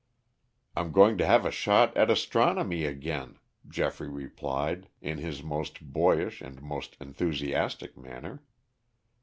"I'm going to have a shot at astronomy again," Geoffrey replied, in his most boyish and most enthusiastic manner.